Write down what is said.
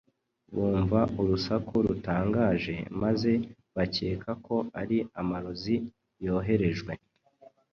bumva urusaku rutangaje, maze bakeka ko ari amarozi yoherejwe